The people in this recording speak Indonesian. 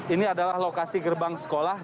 ini adalah lokasi gerbang sekolah